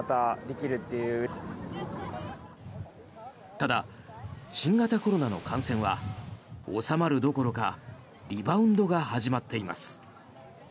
ただ、新型コロナの感染は収まるどころかリバウンドが始まっています。